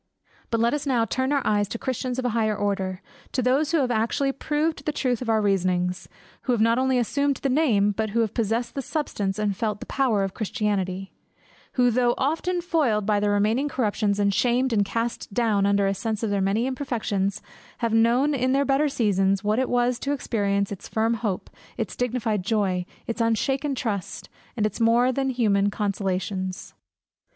BUT let us now turn our eyes to Christians of a higher order, to those who have actually proved the truth of our reasonings; who have not only assumed the name, but who have possessed the substance, and felt the power of Christianity; who though often foiled by their remaining corruptions, and shamed and cast down under a sense of their many imperfections, have known in their better seasons, what it was to experience its firm hope, its dignified joy, its unshaken trust, its more than human consolations.